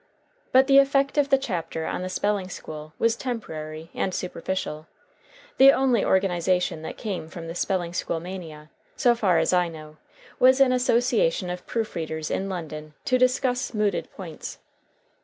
But the effect of the chapter on the spelling school was temporary and superficial; the only organization that came from the spelling school mania, so far as I know, was an association of proof readers in London to discuss mooted points.